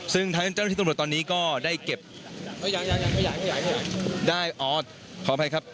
ซึ่งทางเจ้าหน้าที่ตำรวจตอนนี้ก็ได้เก็บได้อ๋อขออภัยครับ